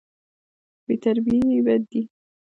بې ترتیبي بد دی.